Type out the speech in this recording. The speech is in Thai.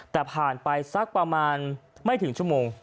แต่ผ่านไปสักประมาณไม่ถึงชั่วโมง